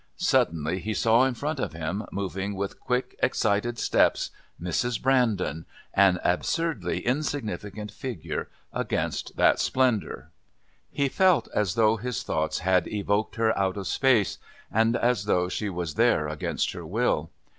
Suddenly he saw in front of him, moving with quick, excited steps, Mrs. Brandon, an absurdly insignificant figure against that splendour. He felt as though his thoughts had evoked her out of space, and as though she was there against her will.